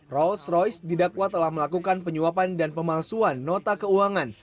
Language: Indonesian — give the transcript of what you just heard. rolls royce didakwa telah melakukan penyuapan dan pemalsuan nota keuangan